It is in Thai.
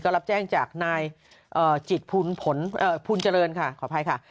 รับแจ้งจากนายจิตพูนเจริญค่ะขออภัยค่ะ